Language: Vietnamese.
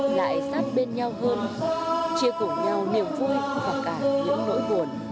lại sát bên nhau hơn chia cùng nhau niềm vui và cả những nỗi buồn